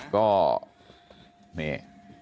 ก็นี่